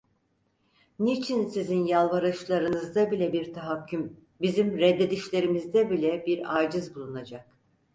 Niçin sizin yalvarışlarınızda bile bir tahakküm, bizim reddedişlerimizde bile bir aciz bulunacak?